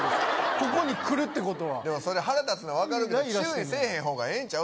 ここに来るってことはでもそれ腹立つの分かるけど注意せえへん方がええんちゃう？